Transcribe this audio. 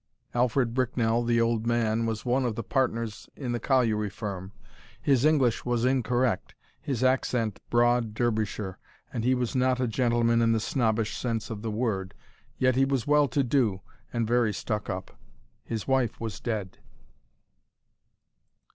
Alfred Bricknell, the old man, was one of the partners in the Colliery firm. His English was incorrect, his accent, broad Derbyshire, and he was not a gentleman in the snobbish sense of the word. Yet he was well to do, and very stuck up. His wife was dead.